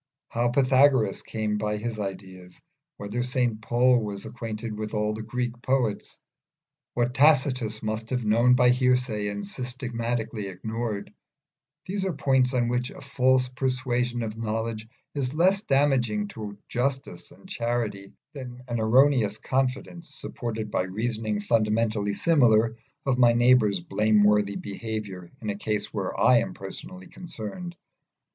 How Pythagoras came by his ideas, whether St Paul was acquainted with all the Greek poets, what Tacitus must have known by hearsay and systematically ignored, are points on which a false persuasion of knowledge is less damaging to justice and charity than an erroneous confidence, supported by reasoning fundamentally similar, of my neighbour's blameworthy behaviour in a case where I am personally concerned.